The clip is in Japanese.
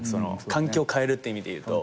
環境変えるって意味でいうと。